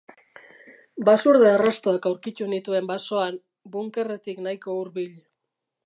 Basurde arrastoak aurkitu nituen basoan, bunkerretik nahiko hurbil.